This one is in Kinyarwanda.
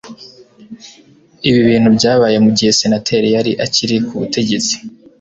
ibi bintu byabaye mugihe senateri yari akiri ku butegetsi